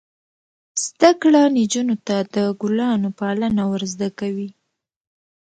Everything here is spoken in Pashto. زده کړه نجونو ته د ګلانو پالنه ور زده کوي.